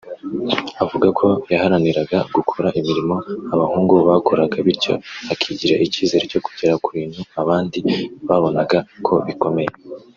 avuga ko yaharaniraga gukora imirimo abahungu bakoraga bityo akigirira icyizere cyo kugera ku bintu abandi babonaga ko bikomeye